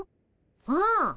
うん。